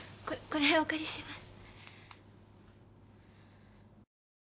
これお借りします。